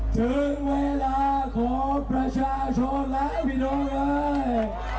ถึงเวลาของประชาชนหลายพิโดย์เลย